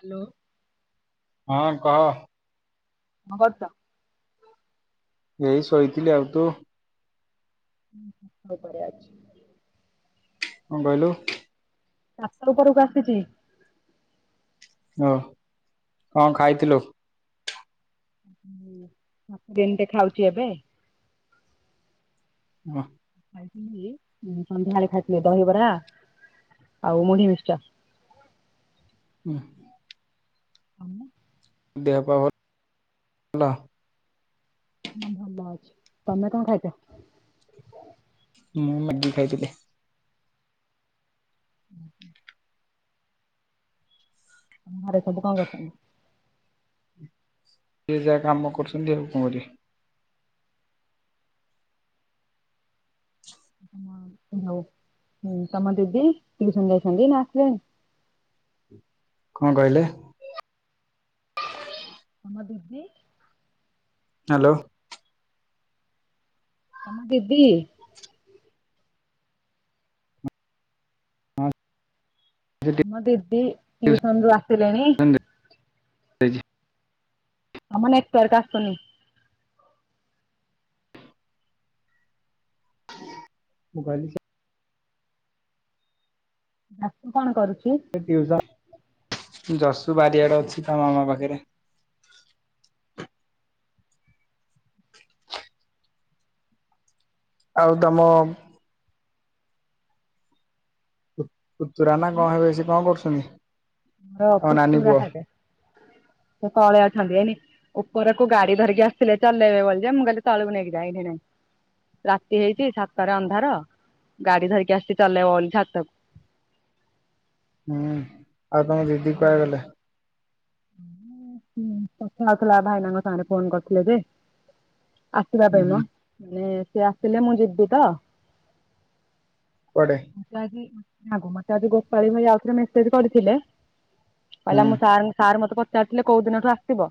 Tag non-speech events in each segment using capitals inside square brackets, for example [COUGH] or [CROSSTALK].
Hello. ହଁ କହ। କଣ କରୁଛ? ଏଇ ଶୋଇଥିଲି ଆଉ, ତୁ ମୁଁ ଛାତ ଉପରେ ଅଛି। କଣ କହିଲୁ? ଛାତ ଉପରକୁ ଆସିଛି। ହ କଣ ଖାଇଥିଲୁ? ଆପେଲ ଟେ ଖାଉଛି ଏବେ ବାଃ। ଖାଇଥିଲି ସନ୍ଧ୍ୟାବେଳେ ଖାଇଥିଲି ଦହିବରା ଆଉ ମୁଢି ମିକ୍ସଚର। ହୁଁ। ତମେ? ଦେହ ପାହା ଭଲ? ହଁ ଭଲ ଅଛି ତମେ କଣ ଖାଇଛ? ମୁଁ ମାଗି ଖାଇଥିଲି। [INAUDIBLE] ଘରେ ସବୁ କଣ କରୁଛନ୍ତି? ଯିଏ ଯାହା କାମ କରୁଛନ୍ତି ଆଉ କଣ କରିବେ। ହଁ ହଉ ହୁଁ ତମ ଦିଦି ଟିଉସନ ଯାଇଛନ୍ତି ନା ଆସିଲେଣି? କଣ କହିଲେ? ତମ ଦିଦି? ହ୍ୟାଲୋ। ତମ ଦିଦି? ହଁ, ସେ ଆମ ଦିଦି ଟିଉସନ୍ ଟିଉସନ ରୁ ଆସିଲେଣି? ଆ ଆମ ନେଟୁଆର୍କ ଆସୁନି। ମୁଁ କହିଲି ସେ ଆପୁ କଣ କରୁଛି? ଟିଉସନ୍ ଯରସୁ ବାରିଆଡେ ଅଛି ତା ମାମା ପାଖରେ। ଆଉ ତମ ପୁତୁରା ନା କଣ ହେବେ ସେ କଣ କରୁଛନ୍ତି? ମର ତମ ନାନୀ ପୁତୁୁରା ପୁଅ ହେବେ ସେ ତଳେ ଅଛନ୍ତି ଏଣି ଉପରକୁ ଗାଡି ଧରିକି ଆସିଥିଲେ ଚଲେଇବେ ବୋଲି ଯେ ମୁଁ କହିଲି ତଳକୁ ନେଇକି ଯାଆ ଏଇଠି ନାଇଁ। ରାତି ହେଇଛି ଛାତରେ ଅନ୍ଧାର ଗାଡି ଧରିକି ଆସିିଛି ଚଲେଇବ ବୋଲି ଛାତକୁ। ହୁଁ ଆଉ ତମ ଦିଦି କୁଆଡେ ଗଲେ? କଥା ହଉଥିଲା ଭାଇନାଙ୍କ ସାଙ୍ଗରେ ଫୋନ କରିଥିଲେ ଯେ। ଆସିବା ହୁଁ, ପାଇଁ ମ ହୁଁ। ମାନେ ସେ ଆସିଲେ ମୁଁ ଯିବି ତ। କୁଆଡେ? ମତେ ଆଜି [INAUDIBLE] ମତେ ଆଜି ଗୋପାଳୀ ଭାଇ ଆଉଥରେ ମେସେଜ୍ କରିଥିଲେ ହୁଁ କହିଲା ମୁଁ ସାର୍ ଙ୍କ ସାର୍ ମତେ ପଚାରିଥିଲେ କୋଉ ଦିନଠୁ ଆସିବ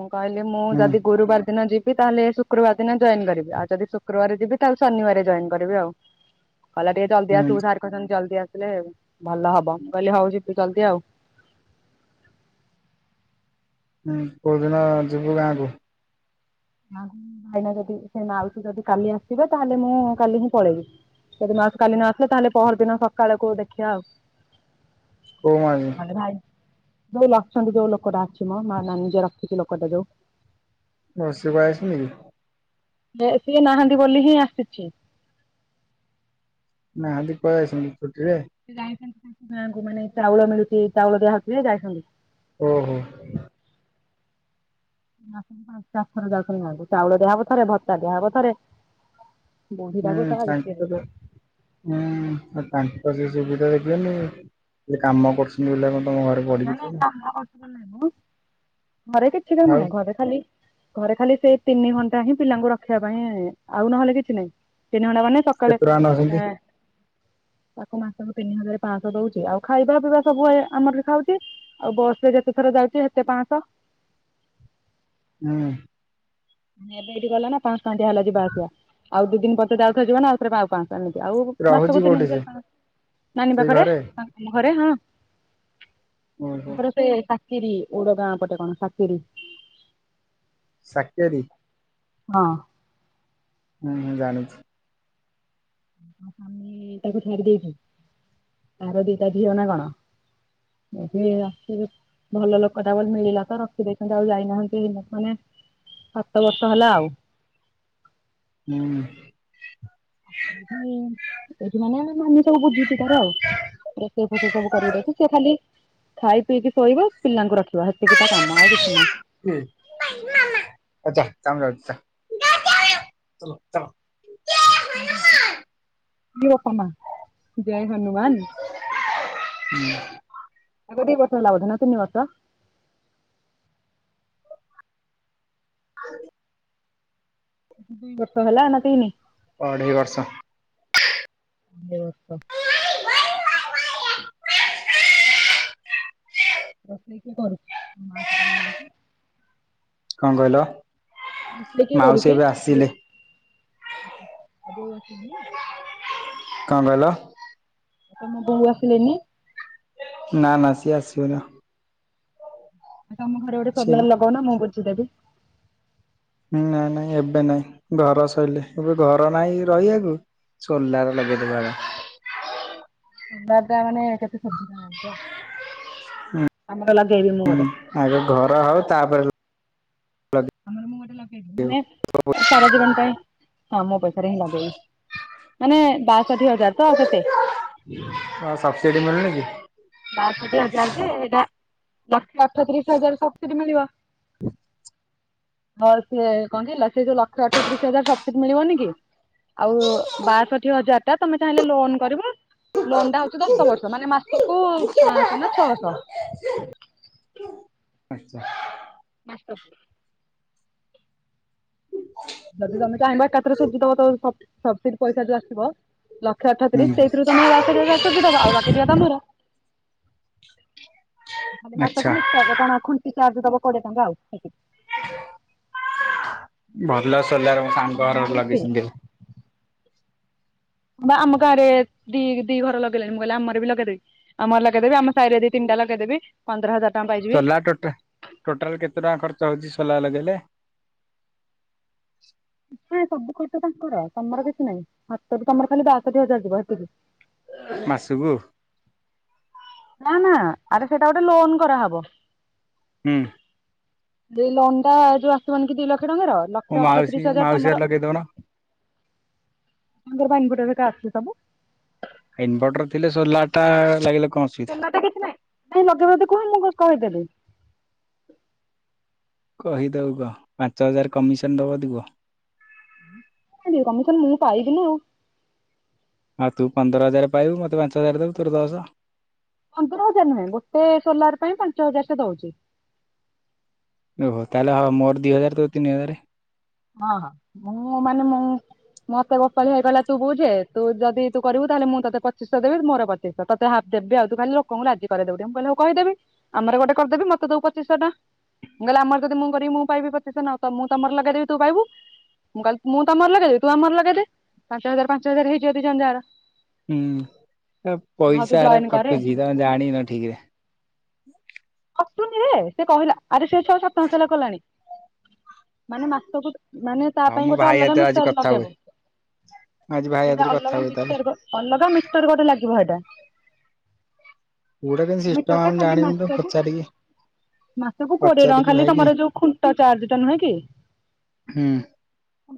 ମୁଁ କହିଲି ମୁଁ ହୁଁ ଯଦି ଗୁରୁବାର ଦିନ ଯିବି ବି ତାହେଲେ ଶୁକ୍ରବାର ଦିନ ଜଏନ୍ କରିବି ଆଉ ଯଦି ଶୁକ୍ରବାର ଯିବି ତାହେଲେ ଶନିବାର ଜଏନ୍ କରିବି ଆଉ। କହିଲା ଟିକେ ଜଲଦି ହୁଁ ଆସିବୁ ସାର କହିଛନ୍ତି ଜଲଦି ଆସିଲେ ଭଲ ହବ ମୁଁ କହିଲି ହଉ ଯିବି ଜଲଦି ଆଉ। ହୁଁ କୋଉଦିନ ଯିବୁ ଗାଁକୁ? [INAUDIBLE] ଭାଇନା ଯଦି ସେ ମାଉସି ଯଦି କାଲି ଆସିବେ ତାହେଲେ ମୁଁ କାଲି ହିଁ ପଳେଇବି। ଯଦି ମାଉସି କାଲିନ ଆସିଲେ ତାହେଲେ ପହର ଦିନ ସକାଳକୁ ଦେଖିବା ଆଉ। କୋଉ ମାଉସୀ? ମାନେ ଭାଇ ଯୋଉ ମରିଛନ୍ତି ଯୋଉ ଲୋକଟା ଅଛି ମ ମା ନାନି ଯଉ ରଖିଛି ଲୋକଟା ଯୋଉ। ହ ସେ ଭାଇ ଆସୁନି କି? ସେ ସିଏ ନାହାନ୍ତି ବୋଲି ହିଁ ଆସିଛି। ନାହାନ୍ତି କୁଆଡେ ଯାଇଛନ୍ତି ଛୁଟି ରେ? ସେ ଯାଇଛନ୍ତି ମାନେ ତାଙ୍କ ଗାଁ କୁ ମାନେ ଚାଉଳ ମିଳୁଛି ଚାଉଳ ଦିଆହଉଥିବ ଯାଇଛନ୍ତି। ଓହୋ। ମାସ କୁ ପାଞ୍ଚ [INAUDIBLE] ଯାଉଛନ୍ତି ଗାଆଁ କୁ ଚାଉଳ ଦିଆହବ ଥରେ ଭତ୍ତା ଦିଆହବ ଥରେ। ହୁଁ ବୁଢୀଟାକୁ ଶଳା ବିକିବେ। ତାଙ୍କର ହୁଁ ତାଙ୍କରି ସେ ସୁବିଧା ଦେଖିବେନି? ସେ କାମ କରୁଛନ୍ତି ବୋଲି ଆଉ କଣ ତମ ଘରେ [UNINTELLIGIBLE] ପଡିକି ଥିବେ। ଖାଲି ଘରେ ଆଉ ଖାଲି ସେଇ ତିନି ଘଣ୍ଟା ହିଁ ପିଲାଙ୍କୁ ରଖିବା ପାଇଁ ଆଉ ନହେଲେ କିଛି ନାହିଁ। ତିନି ଘଣ୍ଟା ମାନେ ସକାଳେ କେତେ ଟଙ୍କା ନଉଛନ୍ତି? ଏ ତାକୁ ମାସକୁ ତିନି ହଜାର ପାଆଁ ସହ ଦଉଛି ଆଉ ଖାଇବା ପିଇବା ତ ହୁଏ ଆମର ଖାଉ ଚି ଆଉ ବସ୍ ରେ ଯେତେ ଥର ଯାଉଛି ସେତେ ପାଂଶହ। ହୁଁ। ଏବେ ଏଇଠି ଗଲା ନା ପଂସହ୍ ଟଙ୍କଆ ଦିଆ ହେଲା ଯିବା ଆସିବା ଆଉ ଦି ଦିନ ପରେ ଯାଉଥ ଯିବା ନା ଆଉଥରେ ପାଉ ପାଞ୍ଚ ଆଉ ରହୁଛି ମାସକୁ ତିନି କୋଉଠି ସେ? ହଯାରେ ନାନୀ ସେଇ ପାଖରେ - ଘରେ? - ଆମ ଘରେ ହଁ ଓହୋ ତାଙ୍କର ସେ ସାକିରି ଓଡ ଗାଁ ପଟେ କଣ ସାକିରି? ଶାକିରି। ହଁ। ହୁଁ ହୁଁ ଜାଣିଛି। ସାମୀ ତାକୁ ଛାଡି ଦେଇଛି ଆର ଦିଟା ଝିଅ ନା କଣ? ଏବେ ଆସୁଥିବେ ଭଲ ଲୋକ ଟା ବୋଲି ମିଳିଲା ତ ରଖି ଦେଇ ଥାନ୍ତେ ଆଉ ଯାଇ ନାହାନ୍ତେ ହେ ମାନେ ସାତ ବର୍ଷ ହେଲା ଆଉ। ହୁଁ। ହୁଁ ଏଇଠି ମାନେ ମାନି ସବୁ ବୁଝୁଛି ତାର ଆଉ। ରୋଷେଇ, ଫୋଷେଇ ସବୁ କରିକି ରଖିଛି, ସେ ଖାଲି ଖାଇ ପିଇକି ଶୋଇବ। ପିଲାଙ୍କୁ ରଖିବା ସେତିକି ହଉ ତା ଯା କାମ ଆଉ କିଛି ନାହିଁ। [UNINTELLIGIBLE] ହଁ ଘିଅ ସମାନ। ଜୟ ହନୁମାନ ଆକୁ ଦି ବର୍ଷ ହେଲା ବୋଧେ ନା ତିନି ବର୍ଷ। [UNINTELLIGIBLE] ଦୁଇ ବର୍ଷ ହେଲା ନା ତିନି। ଅଢ଼େଇ ବର୍ଷ। ଅଢ଼େଇ ବର୍ଷ। [UNINTELLIGIBLE] ରୋଷେଇ ତୁ କରୁ ମା ସିନା ନାହାନ୍ତି। କଣ କହିଲ? ରୋଷେଇ କିଏ ମାଉସୀ କରୁଛି ଏବେ ଦେ ଆସିଲେ ଆଉ ବୋଉ ଆସିବେନି। କଣ କହିଲ? ତମ ବୋହୁ ଆସିଲେନି। ନା ନା ସିଏ ଆସିବ ନା। ଆ ତମ ଘରେ ଗୋଟେ ସେ ସୋଲାର ଲଗଉନା ମୁଁ ବୁଝି ଦେବି। ହଁ ନା ନାହିଁ ଏବେ ନାଇଁ ଘର ସଇଲେ ଏବେ ଘର ନାହିଁ ରହିବାକୁ। ସୋଲାର ଲଗେଇ ଦବା ଦାଦା ମାନେ କେତେ ସୁବିଧା ନାଁ ଆମର ଲଗେଇବି ମୁଁ ହୁଁ ଗୋଟେ। ଆଗ ଘର ହଉ ତାପରେ ଲଗେଇ ଆମର ମୁଁ ଗୋଟେ ଲଗେଇବି ମାନେ ସାରା ଜୀବନ ପାଇଁ ହଁ ମୋ ପଇସାରେ ହିଁ ଲଗେଇବି। ମାନେ ବାଷଠି ହଜାର ତ ଆଉ କେତେ? ତମର ସବ୍ ସିଡ଼ି ମିଳୁନି କି? ବାଷଠି ହଜାରରେ ଜେ ହେଲେ ଲକ୍ଷେ ଅଠତିରିଶ ହଜାରେ ସବସିଡି ମିଳିବ। ହଁ ସିଏ କହନ୍ତୀ ଲସେ ଯୋଉ ଲକ୍ଷେ ଅଠତିରିଶ ହଜାର ସବସିଡି ମିଳିବନି କି? ଆଉ ବାଷଠି ହଜାର ଟା ତମେ ଚାହିଁଲେ ଲୋନ କରିବ ଲୋନ୍ ଟା ହଉଛି ଦଶ ବର୍ଷ ମାନେ ମାସକୁ ପାଆଁସହ ନ ଛଅଶହ। ଆଚ୍ଛା ମାସକୁ। ଯଦି ତମେ ଚାହିଁବା ହୁଁ ଏକାଥରେ ସୁଝିଦବ ସବସିଡି ପଇସା ଯୋଉ ଆସିବ ଲକ୍ଷେ ଅଠତିରିଶ ସେଇଥିରୁ ତମେ ବାଷଠି ହଜାରେ ସୁଝି ଦବ ଆଉ ବାକି ତକ ତମର। ଏ ଆଚ୍ଛା ମାଛକୁ ମିସଉଛ ଖୁଣ୍ଟି ଚାର୍ଜ ଦବ କୋଡ଼ିଏ ଟଙ୍କା ଆଉ। ଭଲ ସୋଲାର୍ ମୋ ସାଙ୍ଗ ଲାଇନ ଘର ବିଲ୍ ଫ୍ରି ଲଗେଇଛନ୍ତି ଏବେ। ବା ଆମ ଗାଁରେ ଦି ଦି ଘର ଲଗେଇ ଲେଲଣି ମୁଁ କହିଲି ଆମର ବି ଲଗେଇ ଦେବି। ଆମର ଲଗେଇ ଦେବି ଆମ ସାହିରେ ଦି ତିନଟା ଲଗେଇ ଦେବି। ପନ୍ଦର ହଜାର ଟଙ୍କ ପାଇଛୁ। ସୋଲା ଟୋଟା ଟୋଟାଲ କେତେ ଟଙ୍କା ଖର୍ଚ୍ଚ ହେଉଛି ସୋଲା ଲଗେଇଲେ। ନା ସବୁ ଖର୍ଚ୍ଚ ତାଙ୍କର ତମର କିଛି ନାଇଁ ହାତରୁ ତମର ଖାଲି ବାସଠୀ ହଜାର ଯିବ ହେଥିକି। ମାସୁକୁ। ନା ନା ଆରେ ସେଟା ଗୋଟେ ଲୋନ କରାହବ। ହୁଁ। ଏ ଲୋନଟା ଯୋଉ ଆସିବନି କି ଦି ଲକ୍ଷ ଟଙ୍କାର। ମୋ ଲକ୍ଷେ ମାଉସୀ ଅଠତିରିଶ ହଜାର ମାଉସୀ ଘରେ ତମର ଲଗେଇଦଉନ। ତମର ପା ଇଂଭଟର ହେକା ଅଛି ସବୁ। ଇନଭର୍ଟର ଥିଲେ ସୋଲା ଟା ଲାଗିଲେ କଣ ଅ ସୋଲାରଟା କିଛି ନାଇଁ ତମେ ଲଗେଇବ ଯଦି କୁହ ମୁଁ କହିଦେବି। କହିଦବୁ କଁ ପାଞ୍ଚ ହଜାର କମିଶନ୍ ଦେବ ଯଦି କୁହ। କେମିତି କମିଶନ ମୁଁ ପାଇବି ନା ଆଉ। ଆଉ ତୁ ପନ୍ଦର ହଜାର ପାଇବୁ ମତେ ପାଞ୍ଚ ହଜାର ଦବୁ ତୋର ଦଶ। ପନ୍ଦର ହଜାର ନୁହେଁ ଗୋଟେ ସୋଲାର ପାଇଁ ପାଞ୍ଚ ହଜାର ସେ ଦଉଚି। ଓହୋ ତାଲେ ମୋର ଦି ହଜାର ତୋର ତିନି ହଜାର। ହଁ ହଁ ମୁଁ ମାନେ ମୁଁ ମତେ ଗୋପାଲି ଭାଇ କହିଲା ତୁ ବୁଝେ ତୁ ଯଦି ତୁ କରିବୁ ତାଲେ ମୁଁ ତତେ ପଚିଶହ ଦେବି ମୋର ପଚିଶହ। ତତେ ହାପ୍ ଦେବି ଆଉ ତୁ ଖାଲି ଲୋକଙ୍କୁ ରାଜି କରେଇଦବୁ ଟିକେ ମୁଁ କହିଲି ହଉ କହିଦେବି। ଆମର ଗୋଟେ କରିଦେବି ମତେ ଦବୁ ପଚିଶହ ଟା। ମୁଁ କହିଲି ଆମ ଯଦି ମୁଁ କରିବି ମୁଁ ପାଇବି ପଚିଶହ ନା ତ ମୁଁ ତମର ଲଗେଇଦେବି ତୁ ପାଇବୁ। ମୁଁ କହିଲି ମୁଁ ତମର ଲଗେଇଦେବି ତୁ ଆମର ଲଗେଇଦେ ପାଞ୍ଚ ହଜାର ପାଞ୍ଚ ହଜାର ହେଇଯିବ ଦି ଜଣ ଯାକର। ହୁଁ ତମ ଆଉ ତୁ ପଇସା ଗୁରା କଟୁଛି ତମେ ଜାଣିନ ଠିକରେ। କଟୁନି ରେ ସେ କହିଲା ଆରେ ସେ ଛଅ ସାତ ମାସେ ହେଲା କଲାଣି। ମାନେ ମାସକୁ ମାନେ ତା ହଁ ପାଇଁ ମୋ ଗୋଟେ ଭାଇ ଅଲଗା ହାତରେ ଆଜି ମିଟର କଥା ହୁଏ। ଲଗେଇବ ଆଜି ଭାଇ ହାତରେ ସେଇଟା କଥା ଅଲଗା ହୁଏ ତାହେଲେ। ମିଟର ଅଲଗା ମିଟର ଗୋଟେ ଲାଗିବ ହେଟା। କୋଉଟା କେମିତି ମିଟର ସିଷ୍ଟମ ଟା ଆମେ ଜାଣିନୁ ତ ପଚାରିକି। ମାସ କୁ କୋଡିଏ ଟଙ୍କା ପଚାରିକି ଖାଲି ଭାଇ କି ତମର ଯୋଉ ଖୁଣ୍ଟ ଚାର୍ଜ ଟା ନୁହେଁ କି। ହୁଁ।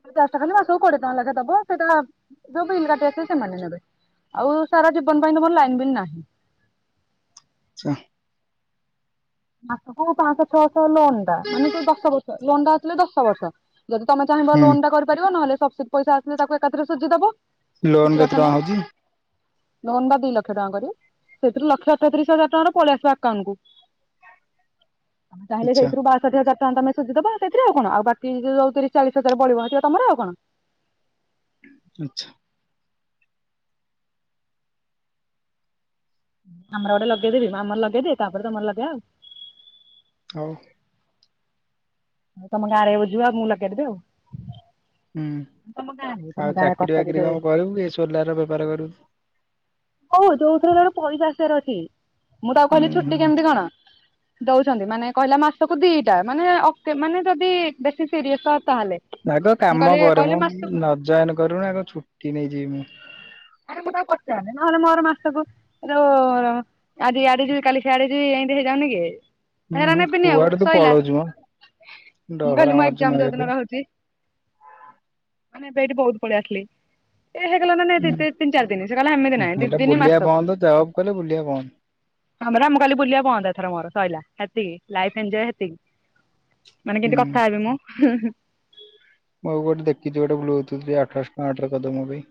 [INAUDIBLE] ମାସକୁ କୋଡିଏ ଟଙ୍କା ଲେଖେ ଦବ ଯୋଉ ବିଲ କାଟି ଆସିବେ ସେମାନେ ନେବେ। ଆଉ ସାରା ଜୀବନ ପାଇଁ ତମର ଲାଇନ ବିଲ ନାହିଁ। [UNINTELLIGIBLE] ମାସକୁ ପାଶହ ଛଅଶହ ଲୋନ ଟା ମାନେ ଯୋଉ ଦଶ ବର୍ଷ ଲୋନ ଟାଥିଲେ ଦଶ ବର୍ଷ। ଯଦି ତମେ ଚାହିଁବ ହୁଁ ଲୋନ୍ ଟା କରିପାରିବ ନହେଲେ ସବସିଟ ପଇଶା ଆସିଲେ ତାକୁ ଏକାଥରେ ସୁଜିଦବ। ଲୋନ କିଛିି କେତେ କଥା ଟଙ୍କା ନାଇଁ। ହଉଛି ଲୋନ ଟା ଦି ଲକ୍ଷ ଟଙ୍କା କରିବି ସେଥିରୁ ଲକ୍ଷ ଅଠତିରିଶି ହଜାର ଟଙ୍କାର ପଳେଇ ଆସିବ ଆକାଉଣ୍ଟ କୁ। ଆମ ତାଲେ ଆଛା ସେଇଥିରୁ ବା ଷାଠିଏ ହଜାର ଟଙ୍କା ତମେ ସୁଝିଦବ ସେଥିରେ ଆଉ କଣ ଆଉ ବାକିଜଉ ତିରିଶ ଚାଳିଶ ହଜାର ବଳିବ ହେଇତକ ତମ ଆଉ କଣ। ଆଛା। ଆମର ଗୋଟ ଲଗେଇ ଦେବି ଆମର ଲଗେଇଦିଏ ତାପରେ ତମର ଲଗେଇବା ଆଉ। ହଉ। ତମ ଗାଁରେ ବୁଝିବ ଆଉ ମୁଁ ଲଗେଇଦେବି ଆଉ। ତମ ଗାଁରେ ହୁଁ ତମ ଆଉ ଗାଁ ଚାକିରି କଟକ ବାକିରି ଯୋଉ କଣ କରିବୁ କି ସୋଲାର ବେପାର କରିବୁ। ହଉ ଯୋଉ ଥିରେ ହେଲେ ତ ପଇସା ଆସିବାର ଅଛି ମୁଁ ତାକୁ କହିଲି ହୁଁ ଛୁଟି ହୁଁ କେମିତି କଣ? ଦଉଛନ୍ତି ମାନେ କହିଲା ମାସକୁ ଦିଟା ମାନେ ମାନେ ଯଦି ବେଶୀ ସିରିଏସ ତାହାଲେ। ଆଗ କାମ କର ମ ନ ଜଏନ କରୁଣୁ ଆଗ ଛୁଟି ନେଇଯିବି ମୁଁ। ଆରେ ମୁଁ ତାକୁ ପଚାରିଲି ନହେଲେ ମୋର ମାସକୁ। ର ଆଜି ଇଆଡ଼େ ଯିବି କାଲି ସିଆଡ଼େ ଯିବି ଏମିତି ହେଇଯାଉନିକି? ହୁଁ ହେରା ହୁଁ ନେବିନି ଆଉ କୁଆଡେ ତୁ ସିଇଲା ପଳଉଛୁ ମ ମୁଁ ଡହରା କହିଲି ମୋ ମାରୁଛୁ ଏଗ୍ଜାମ୍ ମାରିବାକୁ ଜଉଦିନ ରହୁଚି ମାନେ ଏବେ ଏଇଠି ବହୁତ୍ ପଳେଇ ଆସିଲେ ଏ ହେଇଗଲାନା ନାହିଁ ହୁଁ ଦିତି ତିନି ଚାରି ଦିନି ସେକହିଲା ହେମିତି ନାହିଁ ଏଇଟା ଦିଦିନି ବୁଲିବା ମାସକୁ। ବନ୍ଦ ଜବ୍ କଲେ ବୁଲିବା ବନ୍ଦ ହପରା ଆଉ ମୁଁ କହିଲି ବୁଲିବା ବନ୍ଦ ଏଥର ମୋର ସରିଲା ସେତିକି ଲାଇଫ୍ ଏଞ୍ଜୟ୍ ହେତିକି। ମାନେ ହୁଁ କେମିତି କଥା ହେବି ମୁଁ ହୁଁ ହୁଁ। ମୁଁ ଆଉ ଗୋଟେ ଦେଖିଚି ଗୋଟେ ବ୍ଲୁ ଟୁଥ୍ ଆଠଶହ ଟଙ୍କା ଅର୍ଡର କରିଦବୁ ମୋପାଇଁ।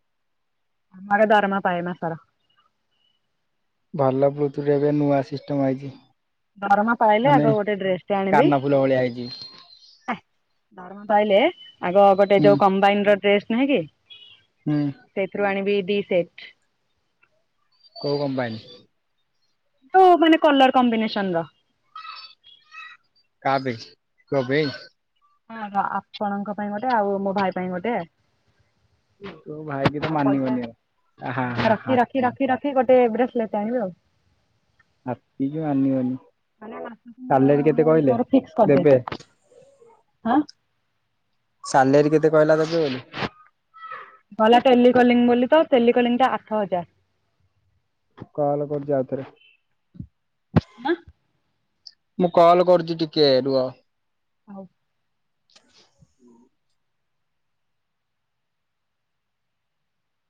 ମୋର ଦରମା ପାଏ ଏମାସର। ଭଲ ବ୍ଲୁଟୁଥ୍ ଏବେ ନୂଆ ସିଷ୍ଟମ୍ ଆଇଚି। ଦରମା ପାଇଲେ ଆଗ ଗୋଟେ ଡ୍ରେସ୍ ଟେ ଆଣିବି। କାନ ଫୁଲ ଭଳିଆ ହେଇଛି ଏ ଦରମା ପାଇଲେ ଆଗ ଗୋଟେ ହୁଁ ଯୋଉ କମ୍ ଦାମୀର ଡ୍ରେସ୍ ନାହିଁକି ହୁଁ। ସେଇଥିରୁ ଆଣିବି ଦି ସେଟ୍। କୋଉ କମ୍ପାନି? ତ ମାନେ କଲର୍ କମ୍ବିନେସନର। କା ପାଇଁ ତୋ ପାଇଁ। ଅଁ ହଁ ଆପଣଙ୍କ ପାଇଁ ଗୋଟେ ଆଉ ମୋ ଭାଇ ପାଇଁ ଗୋଟେ। ତୋ ଭାଇ କି ତ ଆଉ ପଇସା ମାନିବନି ଆଉ। ଆହା ହା ହା ପଇସା ରଖି ରଖି ହାତୀ ରଖି ରଖି ଗୋଟେ ବ୍ରେସଲେଟ୍ ଆଣିବି ଆଉ। ହାପିକି ମାନିବନି। ମାନେ ମାସକୁ ମୁଁ ସାଲେରୀ କେତେ ମୁଁ କହିଲେ? ମୋର ଫିକ୍ସ୍ ଦେବେ କରିଦେଇଚି ଆଁ। ସାଲେରୀ କେତେ କହିଲା ଦେବେ ବୋଲି? ଭଲ ଟେଲିକଲିଂ ବୋଲିତ ଟେଲିକଲିଂଟା ଆଠ ହଜାରେ। କଲ୍ କରୁଚି ଆଉ ଥରେ? ଆଁ। ମୁଁ କଲ୍ କରୁଚି ଟିକେ ରୁହ। ହଉ।